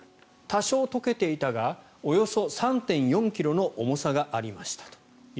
多少溶けていたがおよそ３．４ｋｇの重さがありました。